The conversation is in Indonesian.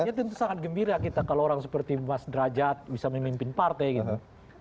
ya tentu sangat gembira kita kalau orang seperti mas derajat bisa memimpin partai gitu